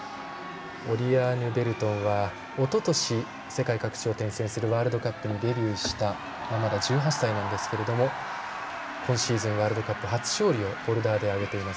オリアーヌ・ベルトンはおととし世界各地を転戦するワールドカップでデビューしたまだ１８歳なんですけども今シーズンワールドカップ初勝利をボルダーで挙げています。